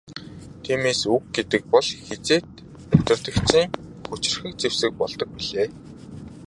Тиймээс үг гэдэг бол хэзээд удирдагчийн хүчирхэг зэвсэг болдог билээ.